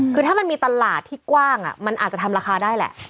คือถ้ามันมีตลาดที่กว้างมันอาจจะทำราคาได้แหละ